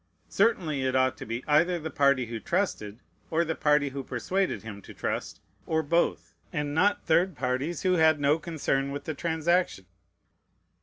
Certainly it ought to be either the party who trusted, or the party who persuaded him to trust, or both; and not third parties who had no concern with the transaction.